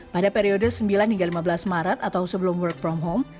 pada periode sembilan hingga lima belas maret atau sebelum work from home